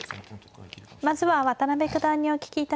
まずは渡辺九段にお聞きいたします。